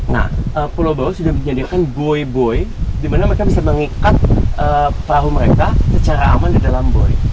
nah pulau bawah sudah menyediakan buoy buoy dimana mereka bisa mengikat perahu mereka secara aman di dalam buoy